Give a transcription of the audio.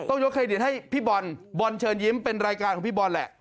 ยกเครดิตให้พี่บอลบอลเชิญยิ้มเป็นรายการของพี่บอลแหละ